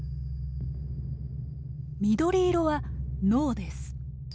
緑色は脳です。